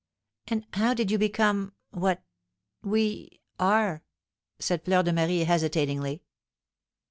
"And how did you become what we are?" said Fleur de Marie, hesitatingly.